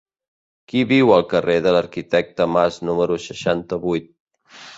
Qui viu al carrer de l'Arquitecte Mas número seixanta-vuit?